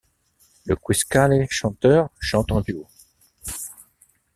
Le Quiscale chanteur chante en duo.